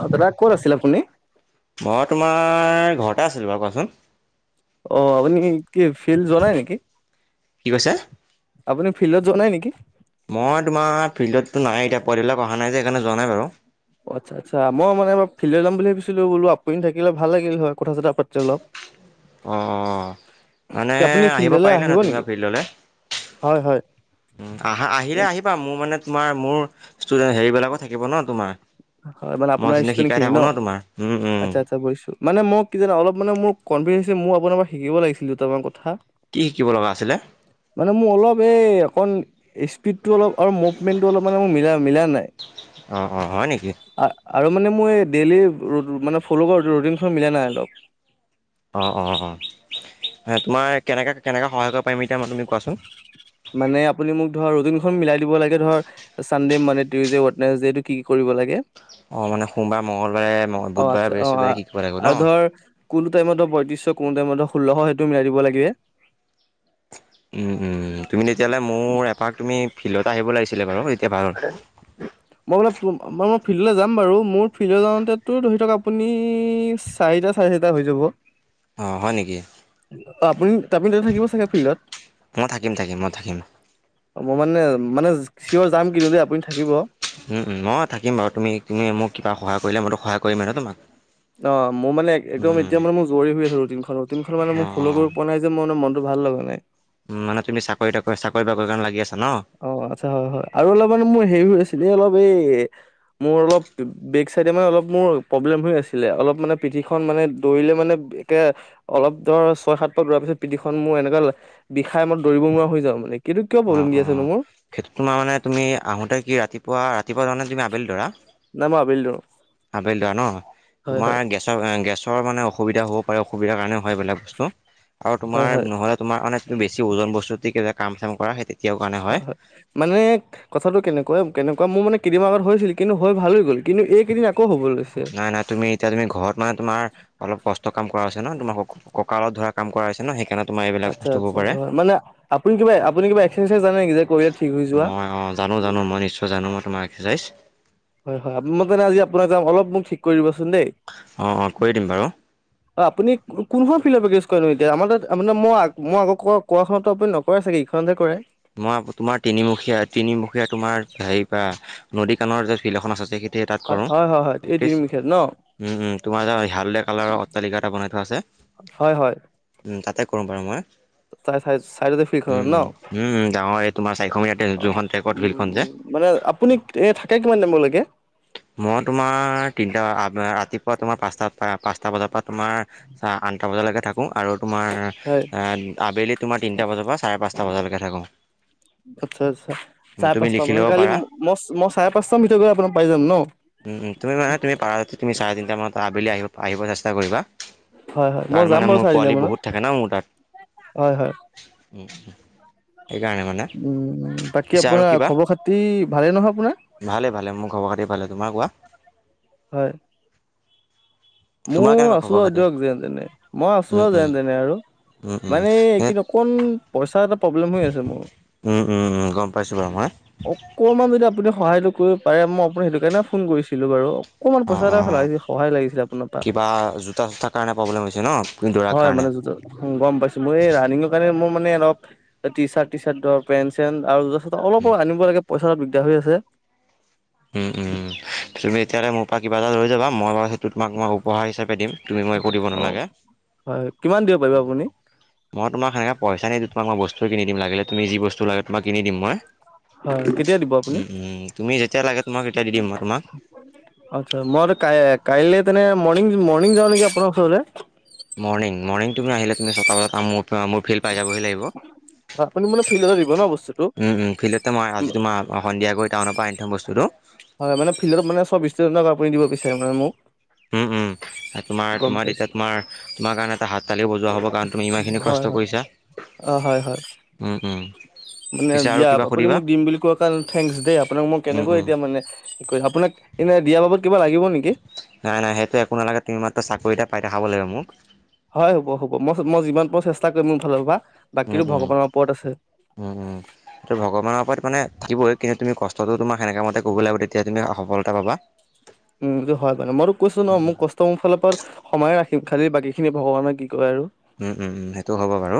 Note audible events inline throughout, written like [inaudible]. অ দাদা কত আছিল আপুনি? মই তোমাৰ ঘৰতে আছিলো বাৰু। কোৱাচোন? অ আপুনি কি ফিল যোৱা নাই নেকি? কি কৈছে? আপুনি ফিল্ডত যোৱা নাই নেকি? মই তোমাৰ ফিল্ডতো নাই এতিয়া পোৱালিকেইটাৰ অহা নাই যে সেইকাৰণে যোৱা নাই বাৰু। অচ্ছা আচ্ছা মই এবাৰ ফিল্ড যাম বুলি ভাবিছিলো বোল আপনি থাকিলে ভাল লাগিল হয় কথা চথা পা অ অ মানে কি আপুনি আহিব ফিল্ডলৈ পাৰিলা নহয় নেকি তুমিও ফিল্ডলে হয় হয়। আহা আহিলে আহিবা মোৰ মানে তোমাৰ মোৰ হয় মানে মই আপোনাৰ যোনে [unintelligible] শিকাই খিনি থাকোঁ ন? তোমাৰ উম উম। আচ্ছা আচ্ছা বিছো মানে মই কি জানো অলপ মানে মোৰ [unintelligible] মোৰ আপোনাৰ পৰা শিকিব লাগিছিল দুটামান কথা। কি শিকিব লগা আছিলে মানে মোৰ অলপ এই অকণ স্পীড অলপ আৰু মুভমেন্টো অলপ মনে মোৰ মিলা মিলা নাই। অ অ হয় নেকি? আৰু মানে মোৰ এই ডেইলি মানে ফলও কৰ ৰুটিনখন মিলা নাই অলপ। অ অ অ অ তোমাৰ কেনেকা কেনেকা সহায় কৰিব পাৰিম এতিয়া মানে তুমি কোৱাচোন? [unintelligible] মানে আপুনি মোক ধৰ ৰুটিনখন মিলাই দিব লাগে ধৰ চানডে মানে টিউজডে ৱনেডেটো কি কি কৰিব লাগে? অঁ মানে সোমবাৰ মঙলবাৰে অ বুধবাৰে আচ্ছা অ বৃহস্পতিবাৰে কি কৰিব লাগিব ন আৰু ধৰ কোনো টাইমত বইত্ৰিশ কোনোতোই ম ষোল্লশ সেইটো মিলাই দিব লাগে! উম উম তুমি তেতিয়াহ'লে মোৰ এপাক তুমি ফিল্ডত আহিব লাগিছিলে বাৰু তেতিয়া ভাল ম ম মই ফিল্ডলৈ যাম বাৰু, মোৰ ফিল্ডলৈ যাওঁতেতো ধৰি লওক আপুনি চাৰিটা চাৰে টা হৈ যাব। অ' হয় নেকি? অ' আপুনি - আপুনি তাতে থাকিব চাগে ফিল্ডত? মই থাকিম থাকিম মই থাকিম অ' মই মানে - মানে চিঅৰ যাম কিন্তু দেই আপুনি থাকিব। উম উম, থাকিম বাৰু তুমি - তুমি মোক কিবা সহায় কৰিলে মইতো সহায় কৰিমে ন তোমাক। অ' মোৰ মানে উম একদম উম এতিয়া মানে মোৰ জৰুৰী হৈ আছে ৰুটিনখনৰ। ৰুটিনখন মানে মই অঁ ফলো' কৰিব পৰা নাই যে মই মানে মন ভাল লগা নাই। উম মানে তুমি চাকৰি তাকৰি - চাকৰি বাকৰি কাৰণে লাগি আছা? ন অ' আচ্ছা, হয় হয়। আৰু অলপ মানে মোৰ হেৰি হৈ আছিলে এই অলপ এই মোৰ অলপ বেক চাইডে মানে অলপ মোৰ প্ৰব্লেম হৈ আছিলে, অলপ মানে পিঠি খন মানে দৌৰিলে মানে [unintelligible] অলপ ধৰ ছয় সাত পাক দৌৰা পিছত পিঠিখন মোৰ এনেকুৱা লা - বিষাই মই দৌৰিব নোৱাৰা হৈ যাওঁ মানে। কিন্তু কিয় প্ৰব্লেম দি আছ অ' সেইটো তোমাৰ মানে তুমি আহোঁতে কি ৰাতিপুৱা - ৰাতিপুৱা দৌৰা নে তুমি আবেলি দৌৰা? নাই মই আবেলি দৌৰো। আবেলি দৌৰা ন'? হয় হয় তোমাৰ গেছৰ এ গেছৰ মানে অসুবিধা হ'ব পাৰে অসুবিধাৰ কাৰণে হয় ইবিলাক বস্তু আৰু হয় হয় তোমাৰ নহ'লে তোমাৰ অনে বেছি ওজন বস্তু দি কিবা কাম চাম কৰা সেই তেতিয়াও কাৰণে হয় হয়। মানে কথাটো কেনেকুৱা কেনে কুৱা মোৰ মানে কেইদিনমান আগত হৈছিল কিন্তু হৈ ভাল হৈ গ'ল কিন্তু এইকেইদিন আকৌ হ'ব লৈছে নাই নাই তুমি এতিয়া তুমি ঘৰত মানে তোমাৰ অলপ কষ্ট কাম কৰা হৈছে ন তোমাৰ সক - কক কালত ধৰা কাম কৰা আছে ন সেই আচ্ছা আচ্ছা, হয়। মানে আপুনি কিবা আপুনি কিবা এক্সাৰছাইজ জানে নেকি যে কৰিলে ঠিক হৈ যোৱা? মই অঁ জানো জানো মই নিশ্চয় জানো মই তোমাৰ এক্সাৰচাইজ। হয় হয়, [unintelligible] অলপ মোক ঠিক কৰি দিব চ চোন দেই, অঁ অঁ কৰি দিম বাৰু অ' আপুনি কোনখন [unintelligible] এতিয়া। আমাৰ তাত [unintelligible] মোৰ আগৰ কৰাখনত নকৰে চাগে এইখনহে কৰে। মই আপ - তোমাৰ তিনিমুখীয়া - তিনিমুখীয়া তোমাৰ হেৰিৰ পৰা - নদী কাণৰ যে ফিল্ড এখন আছে সেইখিনিতে তাত হয় কৰোঁ হয় হয় হয় এই প্ৰেক্টিচ। তিনিমুখীয়াত ন উম উম, তোমাৰ [unintelligible] হালধীয়া কালাৰৰ অট্টালিকা এটা বনাই থোৱা আছে, উম তাতে কৰোঁ বাৰু মই। তাৰ চা - চাইডতে ফিল্ড উম খনত ন? উম উম উম ডাঙৰ এই তোমাৰ চাৰিশ মিটাৰ অ' যোনখন ট্ৰেকত উম ফিল্ডখন যে উম মানে আপুনি এ থাকে কিমান [unintelligible] মই তোমাৰ তিনটা আব ৰাতিপুৱা তোমাৰ পাঁচটাত। পা পাঁচটা বজাৰ পৰা তোমাৰ আ আনঠা বজালৈকে থাকো। কো আৰু তোমাৰ হয় অ আবেলি তোমাৰ তিনিটা বজাৰ পৰা চাৰে পাঁচটা বজালৈকে থাকোঁ। আচ্ছা আচ্ছা, চাৰে তুমি পাঁচটা লিখি মানে ল'ব কালি পাৰা ম মই চাৰে পাঁচটা ভিতৰত গৈ আপোনাক পাই যাম ন? উম উম, তুমি মানে তুমি পাৰা যদি তুমি চাৰে তিনিটামানত আবেলি আহিব - আহিব চেষ্টা কৰিবা। হয় হয় মই তাৰ যাম মানে বাৰু মোৰ চাৰে তিনিটা পোৱালি মানত বহুত থাকে ন মোৰ তাত। হয় হয় [unintelligible] মানে উম, বাকী পিছে আৰু আপোনাৰ কিবা খবৰ খাতি ভালেই নহয় আপোনাৰ? ভালে ভালে মোৰ খবৰ খাতি ভালে। তোমাৰ কোৱা? হয়। তোমাৰ মোৰ কেনেকুৱা আছো খবৰ আৰু খাতি দিয়ক যেন তেনে, মই আছো উম আৰু উম যেনেতেনে আৰু। উম উম মানে এইকেদিন অকন পইচা এটা প্ৰব্লেম হৈ আছে মোৰ, উম উম উম গম পাইছোঁ বাৰু মই অকমান যদি আপুনি সহায়টো কৰিব পাৰে মই আপোনাক সেইটো কাৰণে ফোন কৰিছিলোঁ বাৰু অকমান অঁ পইচা এটা অঁ লাগিছিল সহায় লাগিছিলে আপোনাৰ। কিবা জোতা চোতাৰ কাৰণে প্ৰব্লেম হৈছে ন দৌৰাৰ হয় কাৰণে মানে [unintelligible] গম পাইছো মই এই ৰানিংঙৰ কাৰণে এ মোৰ মানে অলপ টিচাৰ্ট-থিছাৰ্ট ধৰ, পেন-চেন আৰু জুতা-চুতা অলপো আনিব লাগে। পইচাৰ দিগদাৰ হৈ আছে। উম উম, তুমি এতিয়ালে মোৰ পৰা কিবা এটা লৈ যাবা মই বাৰু সেই তোমাক মই উপহাৰ হিচাপে দিম, তুমি মোক একো দিব অ নালাগে। হয় কিমান দিব পাৰিব আপুনি মই তোমাক সেনেকাে পইচা নেদু কিনি দিম, লাগিলে তুমি যি বস্তু লাগে তোমাক কিনি দিম মই। হয় কেতিয়া দিব আপুনি উম তুমি যেতিয়া লাগে তোমাক তেতিয়া দি দিম মই তোমাক আচ্ছা মইটো কাইলৈ তেনে মৰ্ণিং মৰ্ণিং যাওঁ নেকি আপোনাৰ ওচৰলৈ। মৰ্ণিং, মৰ্ণিং তুমি আহিলে তুমি ছটা বজাত মোৰ ফিল্ড পাই যাবহি লাগিব। উম, আপুনি মানে ফিল্ডতে দিব ন বস্তুটো উম, ফিল্ডতে মই আজি তোমাৰ সন্ধিয়া গৈ তাত দোকানৰ পৰা আনি থম বস্তুটো। হয় মানে ফিল্ডত মানে চব ষ্টুডেনটক আপুনি দিব বিচাৰে মানে মোক। উম উম তোমাৰ গম তোমাৰ তেতিয়া পাইছো, তোমাৰ তোমাৰ কাৰণে এটা হাত তালিও বজোৱা হ'ব কাৰণ তুমি ইমানখিনি কষ্ট হয় হয়। কৰিছা অঁ হয়, হয়। উম, উম। মানে পিছে আৰু দিয়া কিবা আপুনি সুধিবা? মোক দিম বুলি কোৱা কাৰণে থেংকিউ দেই আপোনাক মই উম, কেনেকৈ উম, এতিয়া মানে কি কম আপোনাক এনে দিয়াৰ বাবদ কিবা লাগিব নেকি? নাই নাই সেইটো একো নালাগে তুমি মাত্ৰ চাকৰি এটা পাই দেখাব লাগে মোক। হয়, হ'ব, হ'ব মই মই যিমান পাৰো চেষ্টা কৰিম মোৰ ফালৰ পৰা। উম, বাকীতো উম, ভগৱানৰ ওপৰত আছে উম, উম, ত' ভগৱানৰ ওপৰত মানে থাকিবয়ে। কিন্তু তুমি কষ্টটো তোমাৰ সেনে কামতে কৰিব লাগিব। তেতিয়া তুমি সফলতা পাবা। উম, এইটো হয় মানে মইতো কৈছো ন উম, মোৰ উম, কষ্ট মোৰ ফালৰ পৰা সময়ে ৰাখিম। খালি বাকী খিনি ভগৱানৰ কি কয় আৰু, উম, উম, উম, সেইটো হ'ব বাৰু।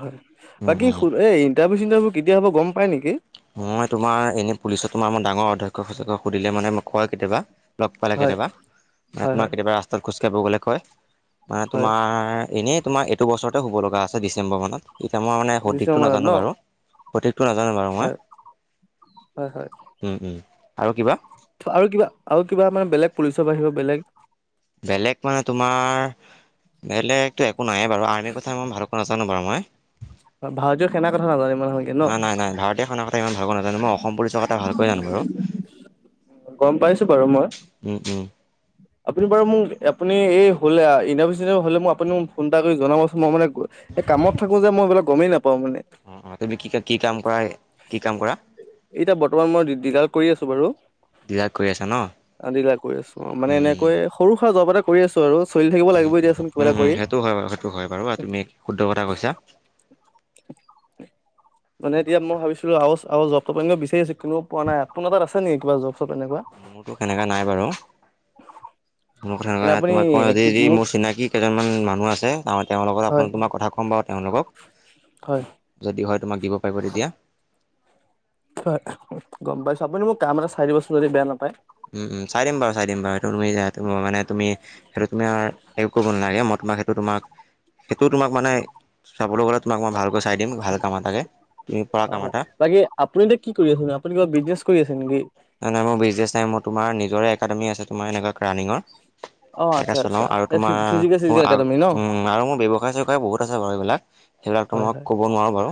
হয় উম, বাকী উম, এই ইন্টাৰভিউ চিন্টাৰভিউ কেতিয়া হ'ব গম পাই নেকি? মই তোমাৰ এনেই পুলিচত তোমাৰ ম ডাঙৰ অধ্যক্ষকে সুধিলে মানে মোক কয় কেতিয়াবা লগ পালে হয় কেতিয়াবা নাই হয় তোমাৰ হয় কেতিয়াবা ৰাস্তাত খোজকাঢ়িব গ'লে কয়। মানে হয় তোমাৰ এনেই তোমাৰ এইটো বছৰতে হুব লগা আছে ডিচেম্বৰ মানত। এতিয়া মই মানে সঠিকটো ডিচেম্বৰত ন নেজানো বাৰু সঠিকটো নেজানো বাৰু মই হয় হয় হয়। উম, উম। আৰু কিবা আৰু কিবা আৰু কিবা মানে বেলেগ পুলিচৰ বাহিৰেও বেলেগ বেলেগ মানে তোমাৰ বেলেগতো এক শুনা নাই বাৰু আইনেৰ কথা মই ভালকৈ নাজানো বাৰু মই ভাৰতীয় সেনাৰ কথা নাজানিম ভালকে ন না নাই নাই ভাৰতীয় সংবিধানতে ইমান ভালকৈ নেজানো মই অসম পুলিচৰ কথা ভালকৈ জানো বাৰু গম পাইছো বাৰু মই। উম উম আপুনি বাৰু মোক আপুনি এই হলে ইণ্টাৰভিউ চিন্তাৰভিউ হলে মোক আপুনিও মোক ফোন এটা কৰি জনাবচোন মই মানে গ এই কামত থাকো যে মই এইবিলাক গমেই নেপা অ অ তুমি কি কি কাম কৰা এ কি কাম কৰা? এতিয়া বৰ্তমান মই দি দীঘাত কৰি আছো বাৰু ডিলাত কৰি আছা ন? ডিলাৰত কৰি আছো আৰু মানে উম এনেকৈ সৰু-সুৰা জব এটা কৰি আছো আৰু চলি থাকিব লাগিবই দিয়াচোন কিবা উম এটা উম কৰি। সেইটো হয় বাৰু সেইটো হয় বাৰু তুমি শুদ্ধ কথা কৈছা। [unintelligible] মানে এতিয়া মই ভাবিছিলো আৰু আৰু জব-তব এনেও বিচাৰি আছোঁ কিন্তু পোৱা নাই। আপোনাৰ তাত আছে নেকি কিবা জব? চব এনেকুৱা মোৰতো সেনেকা নাই বাৰু ন কথা এনে কোৱা আপুনি তোমাক মই যি কি যি মোক মোৰ চিনাকি কেইজনমান মানুহ আছে অঁ তেওঁৰ লগত হয় আপোনালোক তোমাৰ কথা ক'ম বাৰু তেওঁলোকক হয় যদি হয় তোমাক দিব পাৰিব তেতিয়া। হয় গম পাইছো আপুনি মোক কাম এটা চাই দিবছোন যদি বেয়া নেপায়। উম উম চাই দিম বাৰু চাই দিম বাৰু সিটো তুমি ইয়াত মানে তুমি সেইটো তোমাৰ একো কব নালাগে ম তোমাক সেইটো তোমাক সেইটো তোমাক মানে চাবলৈ গ'লে ত তোমাক মই ভালকৈ চাই দিম ভাল কাম এটাকে তুমি পাৰা হয় কাম হয় এটা বাকী আপুনি এতিয়া কি কৰি আছে ন আপুনি কিবা বিজনেছ কৰি আছে নেকি? নাই নাই মোৰ বিজনেছ নাই মোৰ তোমাৰ নিজৰে একাডেমি আছে তোমাৰ এনেকুৱা ক্ৰানিঙৰ। অ। তাকে আচ্ছা আচ্ছা চলাওঁ আৰু এ তোমাৰ ফিজিকেল মোৰ চিজিকেল একাডেমি ন উম উ উ আৰু মোৰ ব্যৱসায়-চেবসায় বহুত আছে বাৰু এইবিলাক। সেইবিলাক হয় তোমাক হয় ক'ব নোৱাৰো বাৰু।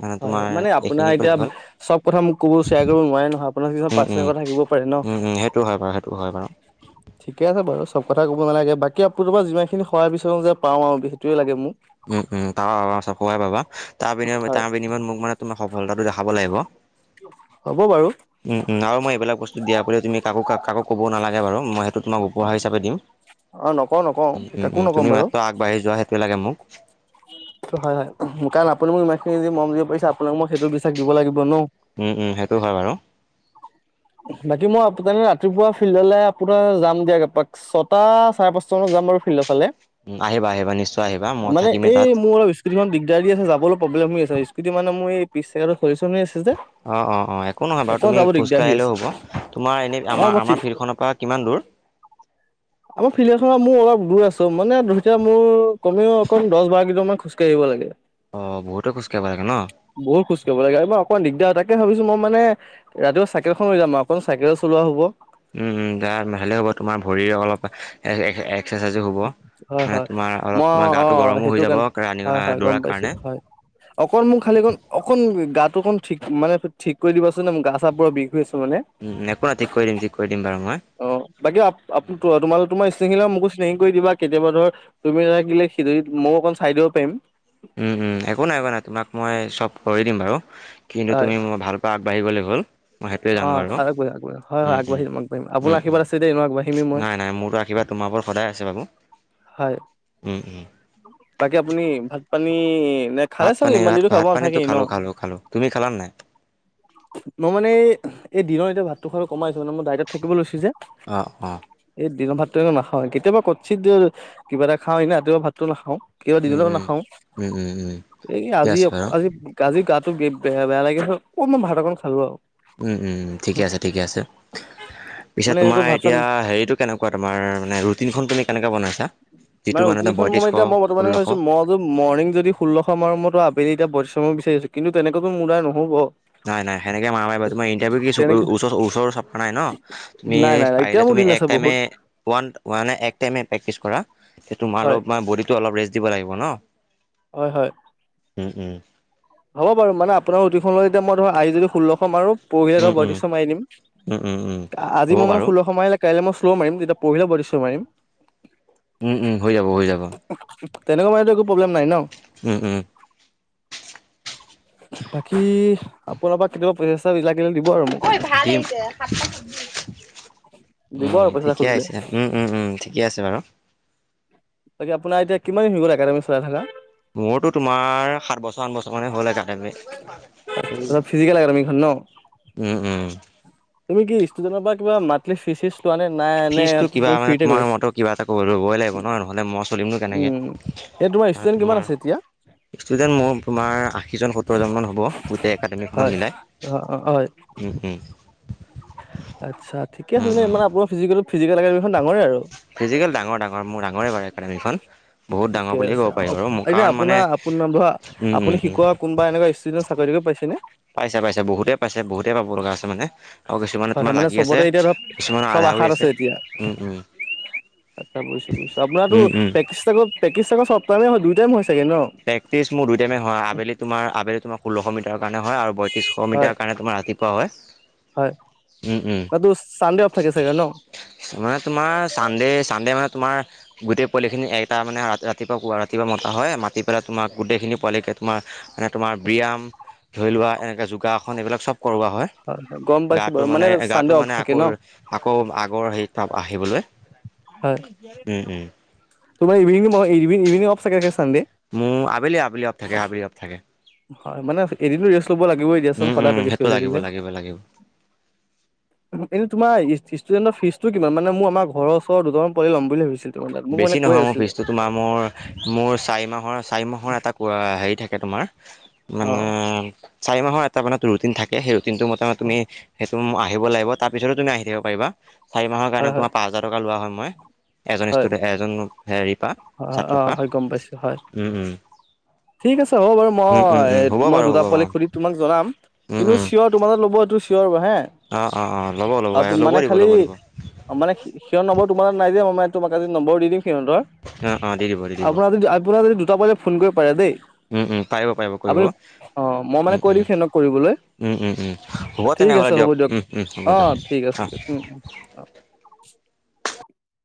মানে হয় তোমাৰ হয়, মানে আপোনাৰ এইখিনি ক'লে এতিয়া হ'ল, চব কথা মোক কবো শ্বেয়াৰ কৰিব নোৱাৰে নহয় আপোনাৰ। আপোনাৰ কিছুমান উম, উম, পাৰ্চনেল কথা থাকিব পাৰে ন উম, উম, কুকু কুক সেইটো হয় বাৰু, সেইটো হয় বাৰু। কুকু কুক ঠিকেই আছে বাৰু স। চব কথা ক'ব নালাগে বাকী আপোনাৰ পৰা যিমানখিনি সহায় বিচাৰো যে পাওঁ আৰু সেইটোৱে লাগে মোক। উম উম পাবা পাবা চব খবৰে পাবা তাৰ বিনিময়ত হয় তাৰ বিনিময়ত মোক মানে তোমাৰ সফলতাটো দেখাব লাগিব। হ'ব বাৰু উম উ আৰু মই এইবিলাক বস্তু দিয়া বুলিও তুমি কাকো কাক। কাকো ক'বও নালাগে বাৰু মই সেইটো তোমাক উপহাৰ হিচাপে দিম। অ নকওঁ নকওঁ উ উম কাকো উম নক'ম তুমি মাত্ৰ আগবাঢ়ি যোৱা সেইটোৱে লাগে মোক। এইটো হয় হয়, উমহু কাৰণ আপুনি মোক ইমান খিনি যদি মৰম দিব পাৰিছে আপোনাক মই সেইটো বিশ্বাস দিব লাগিব ন। উম উম সেইটো হয় বাৰু। অক টু [unintelligible] বাকী মই আপোনালে ৰাতিপুৱা ফিল্ডলে আপোনাৰ যাম দিয়া একপাক ছটা চাৰে পাঁচটা মানত যাম বাৰু। ফিল্ডৰ ফালে। উম আহিবা আহিবা নিশ্চয় আহিবা মই মানে থাকিম। এই মোৰ অলপ স্কুটিখন দিগদাৰ দি আছে যাবলৈ প্ৰব্লেম হৈ আছে স্কুটি মানে মোৰ এই পিছ চাইডত হৈ জমি আছে। যে অ অ অ, একো নহয় বাৰু অকণ তুমি যাব খোজ দিগদাৰ হৈ কাঢ়িলেও আছে হ'ব তোমাৰ এনে আমাৰ আমাৰ ফিল্ডখনৰ পৰা কিমান দূৰ। কক কক্। [unintelligible] আমাৰ ফিল্ড এখনত মোৰ অলপ দূৰ আছো মানে ধৰো এতিয়া মোৰ কমেও অকণ দশ বাৰ কেইজনমান খোজকাঢ়ি আহিব লাগে। অঁ বহুতে খোজকাঢ়িব লাগে ন। বহুত খোজ কঢ়িব লাগে আৰু অকমান দিগদাৰ তাক। তাকে ভাবিছো মই মানে ৰাতিপোৱা চাইকেলখন লৈ যাম অকণমান চাইকেল চলোৱা হ'ব। উম উম তাৰ ভালহে হ'ব তোমাৰ ভৰি অলপ এ এ। হয় হয় মই তোমাৰ অ গাটো গৰমো হৈ সেইটো যাব কাৰণে ৰানিং হয় হয় গম দৌৰাৰ পাইছো কাৰণে। হয়। অকণ মোক উম খালি অকণ অকণ গাটো অকণ ঠিক মানে ঠিক কৰি দিবাচোন নে মোৰ গা চবোৰৰ বিষ। হৈ আছে মানে উম একো ৰাতি কৰি দিম। ঠিক কৰি দিম বাৰু অ বাকী আ মই। তোমাৰ তোমাৰ ছিঙিলে মোকো। হেৰি কৰি দিবা কেতিয়াবা ধৰ তুমি নথাকিলে সেইদিন মই অকণ চাই দিব পাৰিম। উম উম একো নাই একো নাই তোমাক মই চব কৰি দিম বাৰু কিন্তু হয় তুমি মই ভাল পা আগবাঢ়ি লাগিব। মই সেইটোৱে অ জানো বাৰু আগবাঢ়ি আগবাঢ়ি হয় হয় উম আগবাঢ়িম আগবাঢ়িম উম আপোনাৰ উম আশীৰ্বাদ উম আছে দেই ন আগবাঢ়িমেই মই নাই নাই মোৰতো আশীৰ্বাদ। ত তোমাৰ ওৰত সদায় আছে বাবু। হয়। বাকী আপুনি ভাত পানী। নে খালে ভাত চাগে পানী ইমান ভাত দিনতো খাব ভাত পানী নাথাকেই ন খালো খালো খালো। তুমি খালা নাই? মই মানে এই দিনৰ এতিয়া ভাতটো খাব কমাই। মানে মই দাইতট থাকিব লৈছো যে অ', অ', এই দিনৰ ভাত। নাখাওঁ কেতিয়াবা কত চিত দিও কিবা এটা খাওঁ এ নে ৰাতিয়পুৱা ভাতটো নাখাও। কেতিয়াবা উম, দিনতে উম। নাখাও উম, উম, উম, এই ঠিকে আজি আছে বাৰু। আজি আজি গাত। বেয়া বেয়া লাগিছে অকনমান ভাত অকন খালো আৰু। উম উম ঠিকে আছে ঠিকে আছে। পিছে মানে তোমাৰ এনেকৈ ভাত চাত এতিয়া হেৰিতটো কেনেকুৱা তোমাৰ মানে ৰুটিনখন তুমি কেনেকুৱা বনাইছা? যিটো মানে ৰুটিনখন মই বয়ত্ৰিছশ, মানে এতিয়া মই বৰ্তমানে ষোল্লশ ভাবিছো মই যদি মৰ্নিং যদি ষোল্লশ মৰ মৰতো। আবেলি এয়া পৰিশ্ৰম বিচাৰিছোঁ কিন্তু তেনেকো মোৰ দ্বাৰা নহ'ব। নাই নাই সেনেকে মাৰাই বাৰু তোমাৰ ইণ্টাৰভি কি চৰ তেনেকে ওচৰ ওচৰ চপা নাই ন তুমি নাই নাই নাই এতিয়া পাৰিলে মোৰ তুমি। দিন আছে এক টাইমে বহুত ওৱান ওৱান এক টাইমে প্ৰেক্টিছ কৰা। তোমাৰো হয় অলপ মানে বডিটো অলপ ৰেষ্ট দিব লাগিব ন। হয় হয়। উম উম। হ'ব বাৰু মানে আপোনাৰ ৰুতিনখনলৈ এতিয়া মই ধৰা আজি যদি ষোল্লশ মাৰো। পৰহিলৈ উম বৈদশ্য মাৰি দিম উম উম উম উম হ'ব আজি মই মানে বাৰু ষোল্ল সময় আহিলে কাইলৈ মই। পোৰা মাৰিম তেতিয়া পাহৰিলে পইত্ৰিছশ মাৰিম। উম-উম। হয় যাব, হয় যাব। তেনেকুৱা মাৰিলে একো প্ৰব্লেম নাই ন? উম উম বাকী আপোনাৰ বা কেতিয়াবা পইচা চইছা লাগিল [unintelligible] ভাল হৈছে [unintelligible] দিব উম আৰু পইচা ঠিকে খুজিলে আইছিলে। উম-উম-উম ঠিকেই আছে বাৰু। তাকে আপোনাৰ এতিয়া কিমান দিন হল একাডেমী চলাই থকা? মোৰতো তোমাৰ সাত বছৰ, আঠ বছৰ মানে হ'ল একাডেমি এই [unintelligible] উম, উম। তুমি কি ষ্টুডেণ্টৰ পৰা কিবা মন্থলী ফিছ চিছ ফিছ টো কিবা মানে তোমাৰ মইটো কিবা এটা কৰিবই লাগিব হয় নহয়। নহলে মই চলিমনো কেনেকে উম, এই আৰু ষ্টুডেণ্ট কিমান তোমাৰ আছে এতিয়া? ষ্টুডেণ্ট মোৰ তোমাৰ আশীজন, সোতৰ জন মান হ'ব গোটেই একাডেমীখনত হয়। মিলাই। অ', অ', হয়, উম, উম। আচ্ছা ঠিক উম চলে উম আপোনাৰ ফিজিকেল ফিজিকেল এ ফিজিকেল ডাঙৰ, ডাঙৰ। মোৰ ডাঙৰে বাৰু একাডেমীখন। বহুত ডাঙৰ ঠিকে বুলিয়ে ক'ব আছে পাৰি বাৰু মোৰ এনে কাৰণ মানে আপোনাৰ আপোন ধৰা উম উম আপুনি উম শিকোৱা কোনোবা এনেকুৱা ষ্টুডে চাকৰিও পাইছেনে? পাইছে, পাইছে। বহুতে পাইছে। বহুতেই পাব লগা আছে মানে। আও কিছুমানে হয়, তোমাৰ হয় মানে লাগি আছে। চবতে এতিয়া ধৰক কিছুমানৰ চব আধা হৈ আশাত আছে। এতিয়া। উম, উম। আচ্ছা বুইছো, বুইছো। আপোনাৰোটো উম উম [unintelligible] হয় দুই টাইম হয় চাগে ন? প্ৰেকটিচ মোৰ দুই টাইমে হয়। আবেলি তোমাৰ আবেলি তোমাৰ ষোল্লশ মিটাৰৰ কাৰণে হয় আৰু পয়ত্ৰিছশ হয়, মিটাৰ কাৰণে তোমাৰ ৰাতিপুৱা হয়। হয়। উম উম ক টো চানডে অফ থাকে চাগে ন? মানে তোমাৰ চানডে, চানডে মানে তোমাৰ গোটেই পোৱালিখিনি এটা মানে ৰা ৰাতিপুৱা কুৱা ৰাতিপুৱা মতা হয়। মাতি ধৰা তোমাক তোমাক গোটেইখিনি পোৱালিকে তোমাৰ মানে তোমাৰ ব্যায়াম ধৰি লোৱা এনেকৈ যোগাসন এইবিলাক চব কৰোৱা হয়। গম পাইছো গাটো বাৰু মানে গাটো চানডে অফ মানে থাকে আকৌ ন? আকৌ আগৰ হেৰি ত আহিবলৈ হয়। উম উম তোমাৰ ইভিনিং অ ইভিনিং অফ চাগে মোৰ আবেলি আবেলি অফ থাকে, আবেলি অফ থাকে। হয় মানে এদিনটো ৰেষ্ট কৰিব লাগিবই দিয়াচোন, উম উম সদায় প্ৰেক্টিছ সেইটো কৰি লাগিব থাকিলে। লাগিব লাগিব এনেই তোমাৰ ইচ হিচ ষ্টুডেণ্ট ৰ ফীজটো কিমান মানে? মু আমাৰ ঘৰৰ ওচৰৰ দুজনমান পৰহি বুলি ভাবিছিল। তোমাৰ তাত মোক বেছি মানে কৈ নহয়। মোৰ আছিলে ফিজটো তোমাৰ মোৰ মোৰ চাৰি মাহৰ চাৰি মাহৰ এটা কোৱা হেৰি থাকে তোমাৰ অ মানে চাৰি মাহৰ এটা ৰুটিন থাকে। সেই দিনটো মতামত তুমি সেচুম আহিব লাগিব। তাৰ পিছত তুমি আহি থাকিব পাৰিবা। চাৰি মাহৰ হয় কাৰণে হয় তোমাৰ পাঁচ হাজাৰ টকা লোৱা হয়। মই এজন হয় ষ্টুডে এজন হেৰি পা অ, অ। ছাত্ৰৰ পৰা হয়। গম পাইছো হয়। উম উম ঠিক আছে হ'ব বাৰু উম উম মই উম হ'ব মই বাৰু দুটা হ'ব পোৱালিক বাৰু সুধি তোমাক জনাম। উম কিন্তু উম চিঞৰ তোমাৰ তাত লব এইটো চিঞৰ হে। অ অ অ ল'ব ল'ব আও ল'ব মানে দিব খালি ল'ব দিব মানে হে সেইৰ নম্বৰ তোমাৰ তাত নাই যে ম তোমাক আজি নম্বৰ দি দিম সিহঁতৰ। অ অ দি দিব দি দিব আপোনাৰ য আপোনাৰ যদি দুটা পোৱালি ফোন কৰিব পাৰে দেই। উম উম পাৰিব পাৰিব কৰিব আপুনি অ মই মানে উম কৈ উম দিম সেনতক কৰিবলৈ। উম উম উম হ'ব ঠিক আছে, তেনেহ'লে হ'ব দিয়ক। উম উম হ'ব অ দিয়ক ঠিক আছে, অ দিয়ক। উ উ। [inaudible]